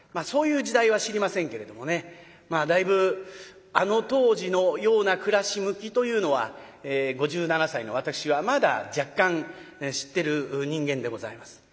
そういう時代は知りませんけれどもねだいぶあの当時のような暮らし向きというのは５７歳の私はまだ若干知ってる人間でございます。